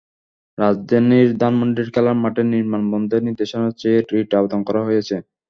রাজধানীর ধানমন্ডির খেলার মাঠে নির্মাণ বন্ধে নির্দেশনা চেয়ে রিট আবেদন করা হয়েছে।